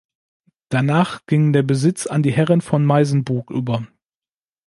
Danach ging der Besitz an die Herren von Meysenbug über.